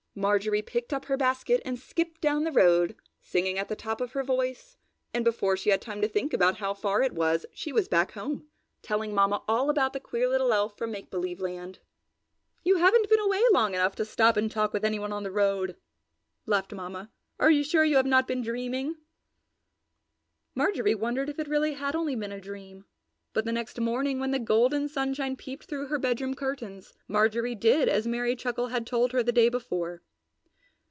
Marjorie picked up her basket and skipped down the road singing at the top of her voice and before she had time to think about how far it was she was back home telling Mamma all about the queer little elf from Make Believe Land. "You haven't been away long enough to stop and talk with anyone on the road!" laughed Mamma. "Are you sure you have not been dreaming?" Marjorie wondered if it really had only been a dream, but the next morning when the golden sunshine peeped through her bedroom curtains, Marjorie did as Merry Chuckle had told her the day before.